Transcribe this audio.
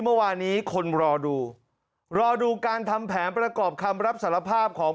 เมื่อวานนี้คนรอดูรอดูการทำแผนประกอบคำรับสารภาพของ